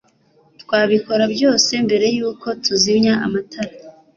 twabikora byose mbere yuko tuzimya amatara